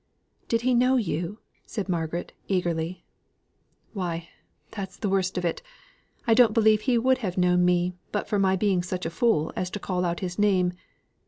"Did he know you?" said Margaret, eagerly. "Why, that's the worst of it. I don't believe he would have known me but for my being such a fool as to call out his name.